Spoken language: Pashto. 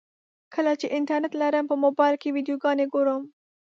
کله چې انټرنټ لرم په موبایل کې ویډیوګانې ګورم.